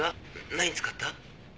何使った？